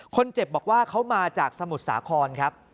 คนเจ็บบอกว่าเขามาจากสมุทรสาครครับ